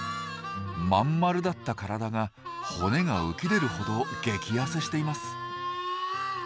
まんまるだった体が骨が浮き出るほど激ヤセしています。